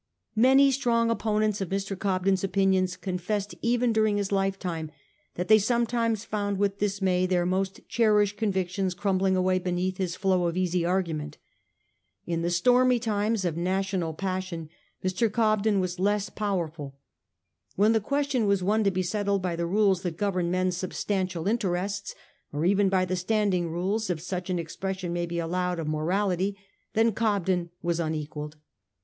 Many strong opponents of Mr. Cobden's opinions confessed even during his life time that they sometimes found with dismay their most cherished 'convictions crumbling away beneath his flow of easy argument. In the stormy times of national passion Mr. Cobden was less powerful. When the question was one to be settled by the rules that govern man's substantial interests, or even by the standing rules, if such an expression may be allowed, of morality, then Cobden was unequalled.